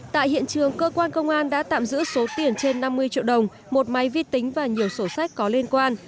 tại hiện trường cơ quan công an đã tạm giữ số tiền trên năm mươi triệu đồng một máy vi tính và nhiều sổ sách có liên quan